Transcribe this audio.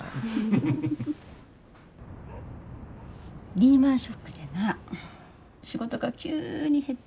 リーマンショックでな仕事が急に減って。